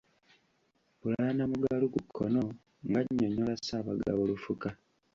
Planner Mugalu ku kkono ng’annyonnyola Ssaabagabo Lufuka.